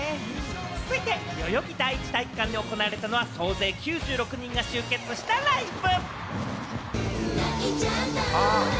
続いて代々木第一体育館で行われたのは総勢９６人が集結したライブ。